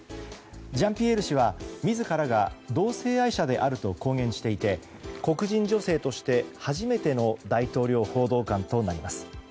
ジャンピエール氏は自らが同性愛者であると公言していて黒人女性として初めての大統領報道官となります。